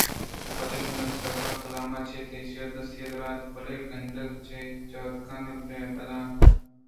بلئے منی سوب ءَ کلام ءَ چہ تئی دزرسی ءَ دور اِنت بلئے گندگ ءِ جہد کنگ بد نہ اِنت